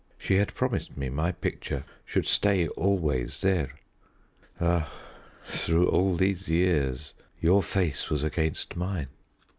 She had promised me my picture should stay always there. Ah, through all these years your face was against mine."